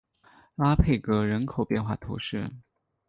拉佩格人口变化图示